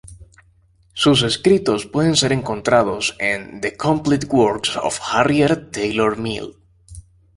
Sus escritos pueden ser encontrados en "The complete works of Harriet Taylor Mill".